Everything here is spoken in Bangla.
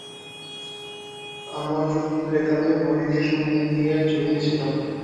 আমর রেকাবে ভর দিয়ে সম্মুখের দিকে ঝুঁকে ছিল।